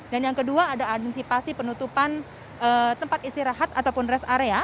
dan yang kedua ada antisipasi penutupan tempat istirahat ataupun rest area